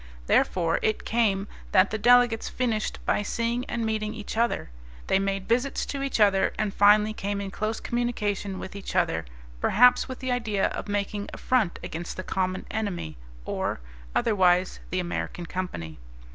Therefore, it came that the delegates finished by seeing and meeting each other; they made visits to each other, and finally came in close communication with each other, perhaps with the idea of making a front against the common enemy, or, otherwise, the American Company.